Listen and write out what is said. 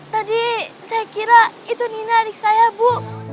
tadi saya kira itu nina adik saya bu